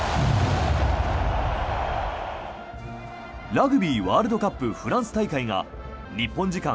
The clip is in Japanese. ラグビーワールドカップフランス大会が日本時間